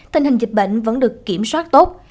tình hình dịch bệnh vẫn được kiểm soát tốt